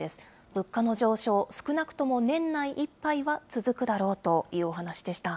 物価の上昇、少なくとも年内いっぱいは続くだろうというお話でした。